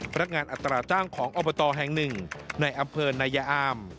พนักงานอัตราจ้างของอบตแห่งหนึ่งในอำเภอนายาอาม